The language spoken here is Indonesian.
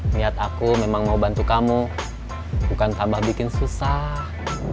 niat aku memang mau bantu kamu bukan tambah bikin susah